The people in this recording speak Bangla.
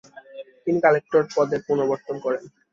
তিনি কালেক্টর পদের পুনঃপ্রবর্তন করেন।